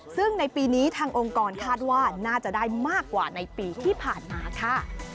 ซึ่งในปีนี้ทางองค์กรคาดว่าน่าจะได้มากกว่าในปีที่ผ่านมาค่ะ